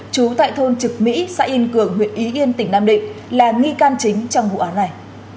trú tại thôn trực mỹ xã yên cường huyện ý yên tỉnh nam định là nghi can chính trong vụ án này